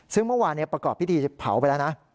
ซึ่งเมื่อวานประกอบพิธีเผาไปแล้วนะ